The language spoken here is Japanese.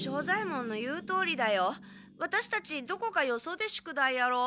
ワタシたちどこかよそで宿題やろう。